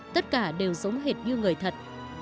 tất cả đều giống hệt như người thật